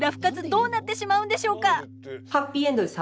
どうなってしまうんでしょうか